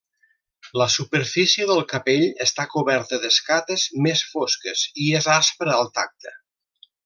La superfície del capell està coberta d'escates més fosques i és aspra al tacte.